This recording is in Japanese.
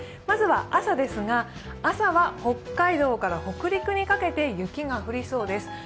まずは朝ですが、朝は北海道から北陸にかけて雪が降りそうです。